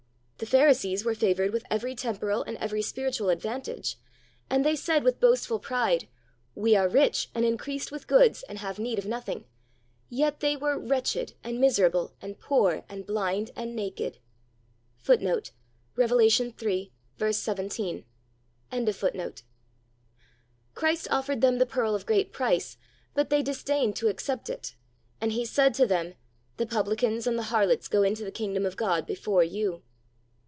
The Pharisees were favored with every temporal and every spiritual advantage, and they said with boastful pride. We are "rich, and increased with goods, and have need of nothing;" yet they were "wretched, and miserable, and poor, and blind, and naked."" Christ offered them the pearl of great price; but they disdained to accept it, and He said to them, "The publicans and the harlots go into the kingdom of God before you."